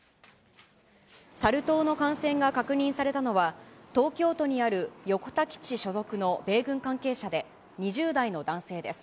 サル痘の感染が確認されたのは、東京都にある横田基地所属の米軍関係者で２０代の男性です。